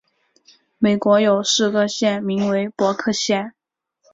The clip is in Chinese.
美国有四个县名为伯克县。